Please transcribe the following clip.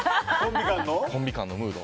コンビ間のムード。